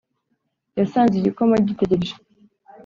yasanze igikoma gitegereje